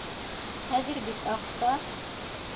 Хәҙер бит аҡса